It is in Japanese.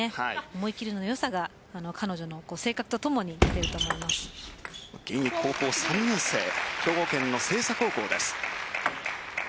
思い切りのよさが彼女の性格とともに高校３年生兵庫県の星槎高校です。